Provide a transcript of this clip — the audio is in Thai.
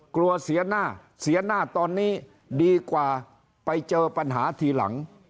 กลัวเสียหน้าเสียหน้าตอนนี้ดีกว่าไปเจอปัญหาทีหลัง